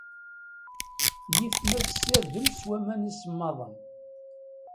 Yif ma tesserdem s waman isemmaḍen.